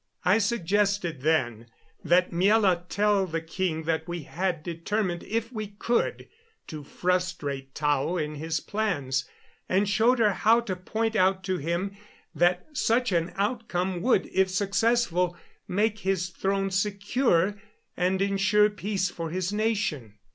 I suggested then that Miela tell the king that we had determined, if we could, to frustrate Tao in his plans; and showed her how to point out to him that such an outcome would, if successful, make his throne secure and insure peace for his nation.